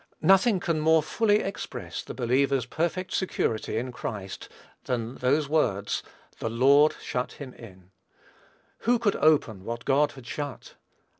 Nothing can more fully express the believer's perfect security in Christ than those words, "the Lord shut him in." Who could open what God had shut?